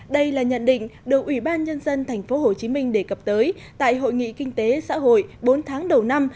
đây là nhận định được ủy ban nhân dân tp hcm đề cập tới tại hội nghị kinh tế xã hội bốn tháng đầu năm